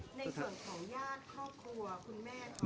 ในส่วนของญาติครอบครัวคุณแม่